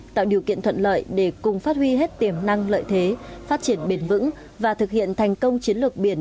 tạo điều kiện thuận lợi để cùng phát huy hết tiềm năng lợi thế phát triển bền vững và thực hiện thành công chiến lược biển